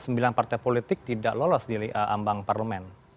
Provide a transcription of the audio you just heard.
sembilan partai politik tidak lolos di ambang parlemen